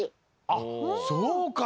あっそうか。